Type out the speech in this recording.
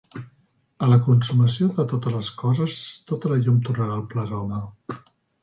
A la consumació de totes les coses tota la llum tornarà al Pleroma.